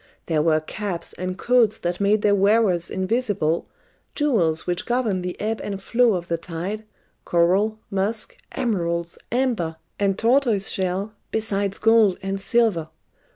There were caps and coats that made their wearers invisible, jewels which governed the ebb and flow of the tide, coral, musk, emeralds, amber, and tortoiseshell, besides gold and silver.